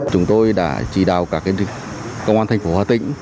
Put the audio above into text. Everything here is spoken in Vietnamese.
chúng tôi đã chỉ đạo các công an thành phố hà tĩnh